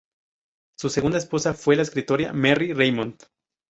Su segunda esposa fue la escritora Merry Reymond.